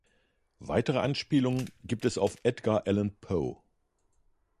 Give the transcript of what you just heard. Weitere Anspielungen gibt es auf Edgar Allan Poe.